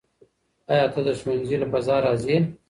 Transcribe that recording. آیا ته د ښوونځي له فضا راضي یې؟